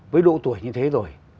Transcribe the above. với độ tuổi như thế rồi